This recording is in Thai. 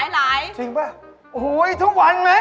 จริงป่ะโอ้โหทุกวันไหม